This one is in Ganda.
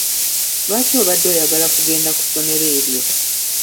Lwaki obadde oyagala kugenda ku ssomero eryo?